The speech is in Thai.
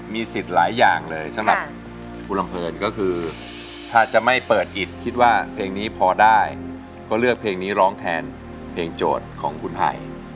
มีสิทธิ์หลายอย่างเลยสำหรับคุณลำเพลินก็คือถ้าจะไม่เปิดกิจคิดว่าเพลงนี้พอได้ก็เลือกเพลงนี้ร้องแทนเพลงโจทย์ของคุณภัย